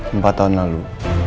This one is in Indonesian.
empat tahun lalu